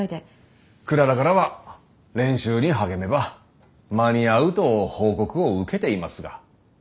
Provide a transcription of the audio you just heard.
クララからは練習に励めば間に合うと報告を受けていますが。